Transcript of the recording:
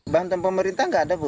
bantuan pemerintah nggak ada bu